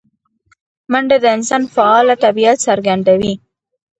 منډه د انسان فعاله طبیعت څرګندوي